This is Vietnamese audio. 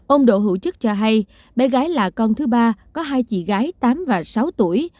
ông đỗ hữu chức cho hay bé gái là con thứ ba có hai chị gái tám và sáu tuổi